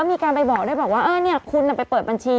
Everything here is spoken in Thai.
มีการไปบอกด้วยบอกว่าเออเนี่ยคุณไปเปิดบัญชี